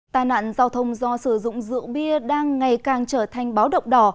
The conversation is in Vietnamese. tài nạn giao thông do sử dụng rượu bia đang ngày càng trở thành báo động đỏ